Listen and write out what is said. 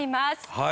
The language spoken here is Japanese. はい。